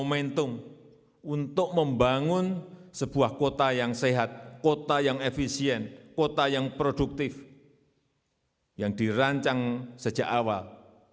momentum untuk membangun sebuah kota yang sehat kota yang efisien kota yang produktif yang dirancang sejak awal